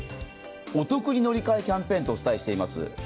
お得に乗り換えキャンペーンとお伝えしています。